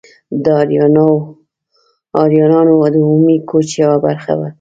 د آریایانو د عمومي کوچ یوه برخه وه.